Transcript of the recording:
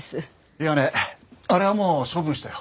いやねあれはもう処分したよ。